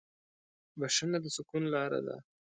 بښنه د سکون لاره ده.